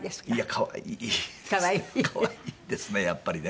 可愛いですねやっぱりね。